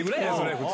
普通。